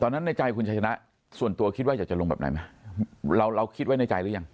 ตอนนั้นในใจคุณชายหนักส่วนตัวคิดว่าจะลงแบบไหนมั้ยเราคิดไว้ในใจหรือยัง